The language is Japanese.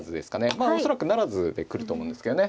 まあ恐らく不成で来ると思うんですけどね。